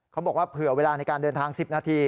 เขาบอกว่าเผื่อเวลาในการเดินทาง๑๐นาที